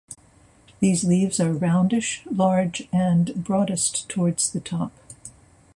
These leaves are roundish, large, and broadest towards the top.